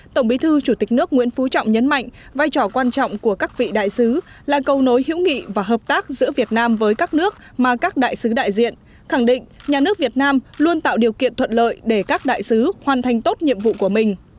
tổng bí thư chủ tịch nước nguyễn phú trọng nhấn mạnh vai trò quan trọng của các vị đại sứ là cầu nối hữu nghị và hợp tác giữa việt nam với các nước mà các đại sứ đại diện khẳng định nhà nước việt nam luôn tạo điều kiện thuận lợi để các đại sứ hoàn thành tốt nhiệm vụ của mình